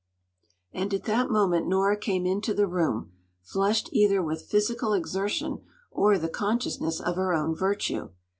And at that moment Nora came into the room, flushed either with physical exertion, or the consciousness of her own virtue.